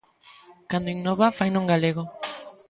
Cando innova faino en galego.